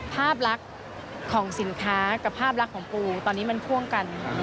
ภาพลักษณ์ของสินค้ากับภาพลักษณ์ของปูตอนนี้มันพ่วงกัน